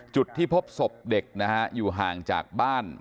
จุดที่พบศพเด็กนะฮะอยู่ห่างจากบ้าน